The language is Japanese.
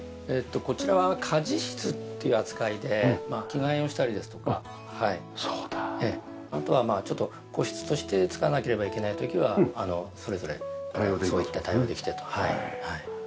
こちらは家事室っていう扱いで着替えをしたりですとかあとはちょっと個室として使わなければいけない時はそれぞれそういった対応できてと。